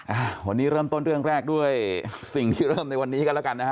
อ่าวันนี้เริ่มต้นเรื่องแรกด้วยสิ่งที่เริ่มในวันนี้กันแล้วกันนะฮะ